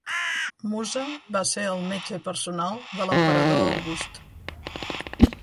Musa va ser el metge personal de l'emperador August.